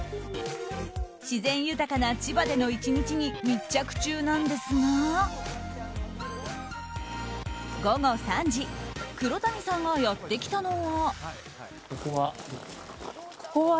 自然豊かな千葉での１日に密着中なんですが午後３時黒谷さんがやってきたのは。